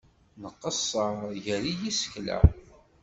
Nqeṣṣer gar yisekla.